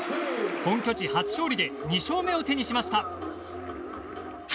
本拠地初勝利で２勝目を手にしました。